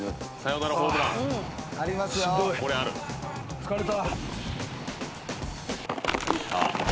疲れた。